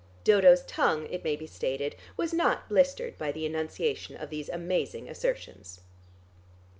Dodo's tongue, it may be stated, was not blistered by the enunciation of these amazing assertions.